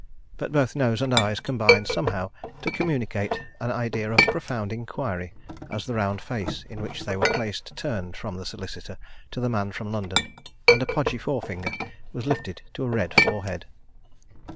But both nose and eyes combined somehow to communicate an idea of profound inquiry as the round face in which they were placed turned from the solicitor to the man from London, and a podgy forefinger was lifted to a red forehead.